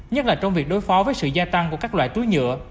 nhất là trong việc đối phó với sự gia tăng của các loại túi nhựa